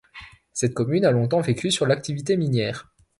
Cette commune a longtemps vécue sur l'activité minière.